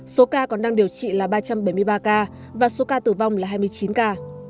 số ca còn đang điều trị là ba trăm bảy mươi ba ca và số ca tử vong là hai mươi chín ca